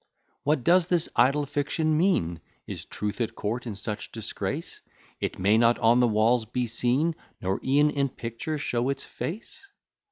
What does this idle fiction mean? Is truth at court in such disgrace, It may not on the walls be seen, Nor e'en in picture show its face?